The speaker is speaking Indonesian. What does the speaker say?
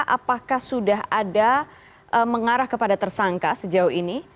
apakah sudah ada mengarah kepada tersangka sejauh ini